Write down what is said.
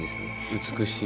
美しい。